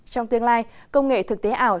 trong tương lai công nghệ thực tế ảo